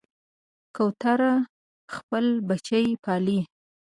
کوتره خپل بچي پالي.